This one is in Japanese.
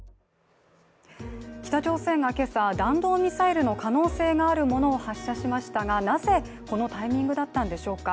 北朝鮮が今朝、弾道ミサイルの可能性があるものを発射しましたがなぜこのタイミングだったんでしょうか。